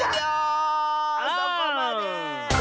そこまで！